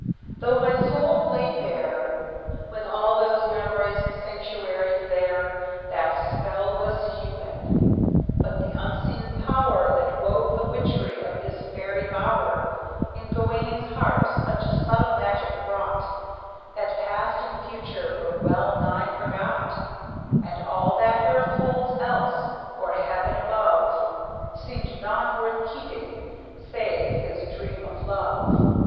Though my soul lay bare, With all those memories sanctuaried there, That spell was human. But the unseen power That wove the witchery of this fairy bower, In Gawayne's heart such subtle magic wrought That past and future were well nigh forgot, And all that earth holds else, or heaven above, Seemed naught worth keeping, save this dream of love.